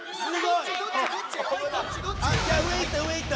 いや上いった上いった。